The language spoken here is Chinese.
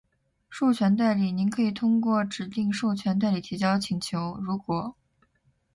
授权代理。您可以选择通过指定授权代理提交请求，如果：